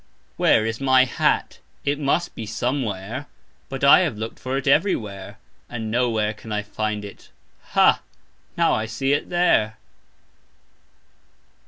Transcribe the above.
"Where" is my hat? It must be "somewhere", but I have looked for it "everywhere", and "nowhere" can I find it. Ha, now I see it "there".